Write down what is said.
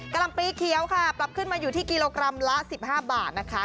ลำปีเขียวค่ะปรับขึ้นมาอยู่ที่กิโลกรัมละ๑๕บาทนะคะ